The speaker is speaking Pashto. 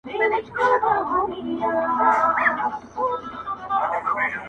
وايي نسته كجاوې شا ليلا ورو ورو!.